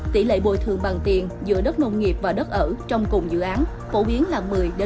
tỷ lệ bồi thường bằng tiền giữa đất nông nghiệp và đất ở trong cùng dự án phổ biến là một mươi năm mươi